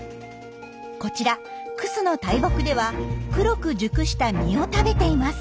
こちらクスの大木では黒く熟した実を食べています。